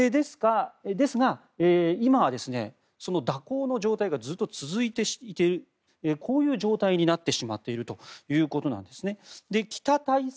ですが、今はその蛇行の状態がずっと続いていてこういう状態になってしまっているということなんですね。